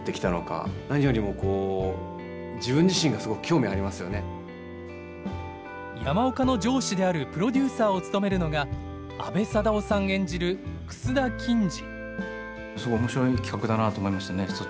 演じるのは山岡の上司であるプロデューサーを務めるのが阿部サダヲさん演じる楠田欽治。